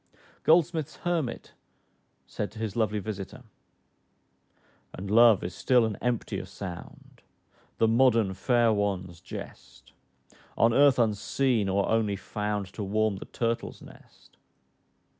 Goldsmith's Hermit said to his lovely visiter, "And love is still an emptier sound, The modern fair one's jest; On earth unseen, or only found To warm the turtle's nest."